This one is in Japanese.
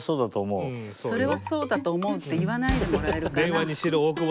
それはそうだと思うって言わないでもらえるかな？